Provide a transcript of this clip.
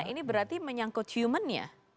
ini berarti menyangkut human ya